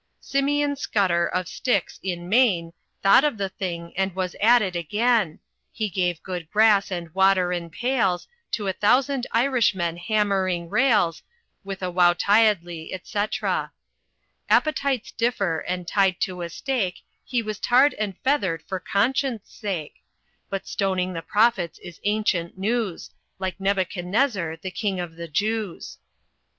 "Simeon Scudder of Styx, in Maine, Thought of the thing and was at it again; He gave good grass and water in pails To a thousand Irishmen hammering rails. With a wowtyiddly, etc. "Appetites differ, and tied to a stake. He was tarred and feathered for Conscience Sake; But stoning the prophets is ancient news, Like Nebuchadnezzar the King of the Jews."